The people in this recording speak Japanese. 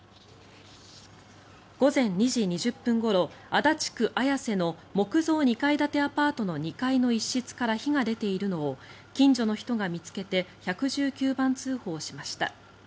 午前２時２０分ごろ足立区綾瀬の木造２階建てアパートの２階の一室から火が出ているのを近所の人が見つけて１１９番通報しました。